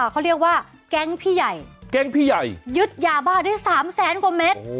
เขาเรียกว่าแก๊งพี่ใหญ่ยึดหยาบ้านที่๓แสนกว่าเมตร